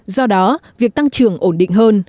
do đó việc tăng trưởng ổn định hơn